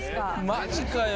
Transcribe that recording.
マジかよ。